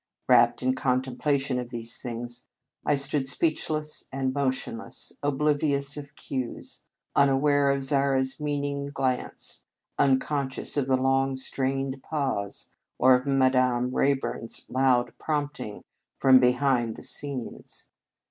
Wrapped in the con templation of these things, I stood speechless and motionless, oblivious of cues, unaware of Zara s meaning glance, unconscious of the long, strained pause, or of Madame Ray burn s loud prompting from behind the scenes.